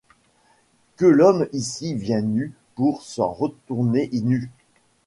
Que l’homme ici vient nu pour s’en retourner nu